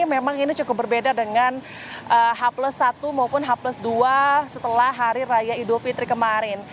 memang ini cukup berbeda dengan h satu maupun h dua setelah hari raya idul fitri kemarin